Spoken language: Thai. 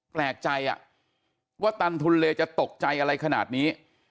แปลกใจว่าตันทุนเลจะตกใจอะไรขนาดนี้